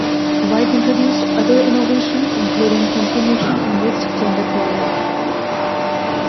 Wise introduced other innovations, including confirmation, a mixed-gender choir.